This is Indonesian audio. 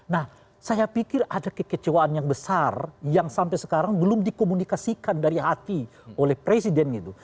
nah saya pikir ada kekecewaan yang besar yang sampai sekarang belum dikomunikasikan dari hati oleh presiden gitu